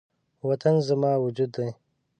وطن زما وجود دی